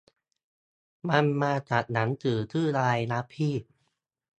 มันมาจากหนังสือชื่ออะไรนะพี่ ?